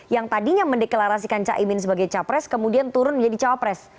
yang tadinya mendeklarasikan caimin sebagai capres kemudian turun menjadi cawapres